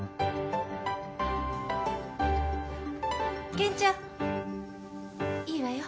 健ちゃんいいわよ。